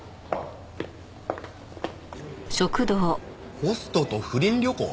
ホストと不倫旅行？